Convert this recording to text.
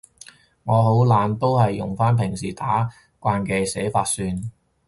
我好懶，都係用返平時打慣嘅寫法算